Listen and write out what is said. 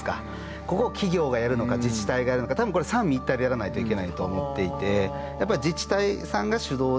ここを企業がやるのか自治体がやるのか多分これ三位一体でやらないといけないと思っていてやっぱり自治体さんが主導を握る。